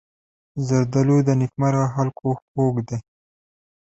زردالو د نېکمرغه خلکو خوږ دی.